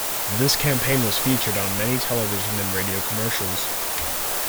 This campaign was featured on many television and radio commercials.